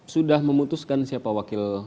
sudah memutuskan siapa wakil